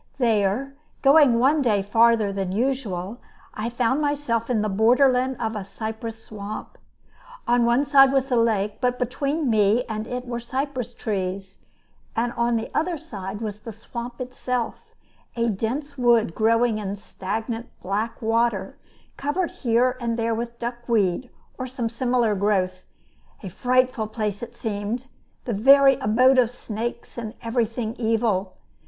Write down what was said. There going one day farther than usual I found myself in the borderland of a cypress swamp. On one side was the lake, but between me and it were cypress trees; and on the other side was the swamp itself, a dense wood growing in stagnant black water covered here and there with duckweed or some similar growth: a frightful place it seemed, the very abode of snakes and everything evil.